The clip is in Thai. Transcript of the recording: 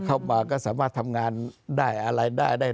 เข้ามาก็สามารถทำงานได้อะไรได้ได้